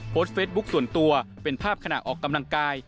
เฟซบุ๊คส่วนตัวเป็นภาพขณะออกกำลังกาย